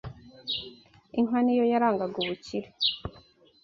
Inka ni yo yarangaga ubukire.